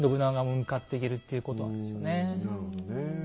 なるほどねえ。